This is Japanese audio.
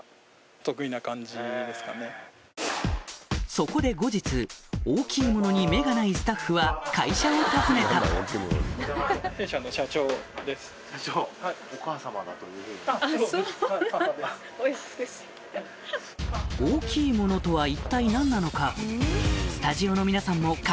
そこで大きいものに目がないスタッフは会社を訪ねた大きいものとは一体何なのか？